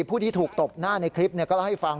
ผู้ที่ถูกตบหน้าในคลิปก็เล่าให้ฟัง